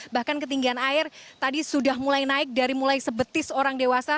bahkan ketinggian air tadi sudah mulai naik dari mulai sebetis orang dewasa